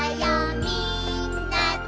みんなで」